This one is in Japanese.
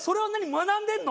学んでるの？